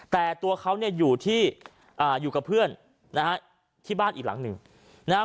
แต่ตัวเขาอยู่กับเพื่อนที่บ้านอีกหลังหนึ่ง